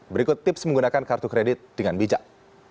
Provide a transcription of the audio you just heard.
berikut tips menggunakan kartu kredit dengan bijak